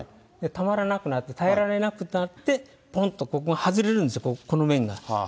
たまらなくなって、耐えられなくなって、ぽんとここが外れるんです、この面が。